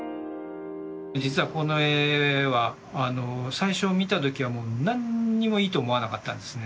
実はこの絵は最初見た時はもう何にもいいと思わなかったんですね。